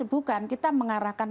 bukan kita mengarahkan makanan makanan